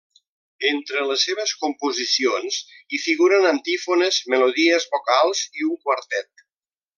Entre les seves composicions hi figuren antífones, melodies vocals i un quartet.